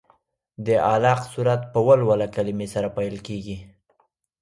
د علق سورت په ولوله کلمې سره پیل کېږي.